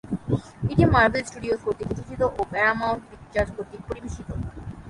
এটি Marvel Studios কর্তৃক প্রযোজিত এবং প্যারামাউন্ট পিকচার্স কর্তৃক পরিবেশিত।